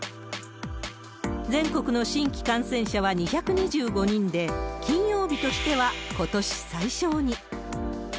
全国の新規感染者は２２５人で、金曜日としてはことし最少に。